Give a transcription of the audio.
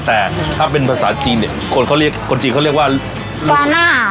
แต่ถ้าเป็นภาษาจีนเนี่ยคนเขาเรียกคนจีนเขาเรียกว่าบาน่า